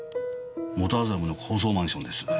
元麻布の高層マンションです。